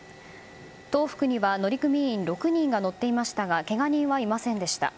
「東福」には乗組員６人が乗っていましたがけが人はいませんでした。